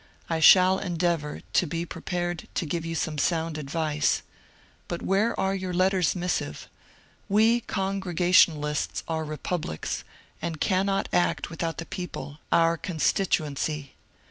I shall endeavour to be prepared to give you some sound advice. But where are your ^^ letters missive "? We Congregationalists are republics, and cannot act without the people, our constituency.